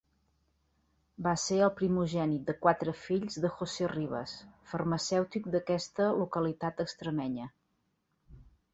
Va ser el primogènit de quatre fills de José Rivas, farmacèutic d'aquesta localitat extremenya.